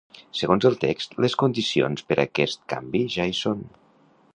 Segons el text, les condicions per a aquest canvi ja hi són.